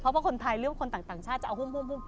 เพราะว่าคนไทยหรือว่าคนต่างชาติจะเอาหุ้ม